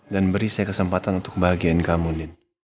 dan beri saya kesempatan untuk kebahagiaan kamu din